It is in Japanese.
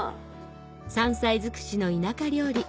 山菜尽くしの田舎料理